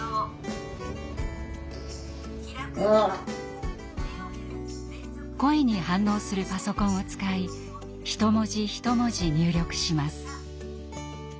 声に反応するパソコンを使い一文字一文字入力します。